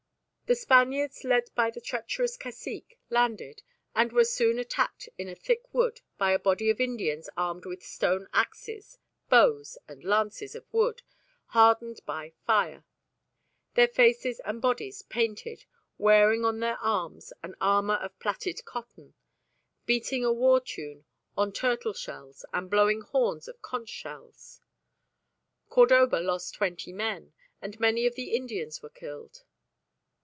The Spaniards, led by the treacherous cacique, landed, and were soon attacked in a thick wood by a body of Indians armed with stone axes, bows, and lances of wood hardened by fire, their faces and bodies painted, wearing on their arms an armour of plaited cotton, beating a war tune on turtle shells and blowing horns of conch shells. Cordoba lost twenty men, and many of the Indians were killed.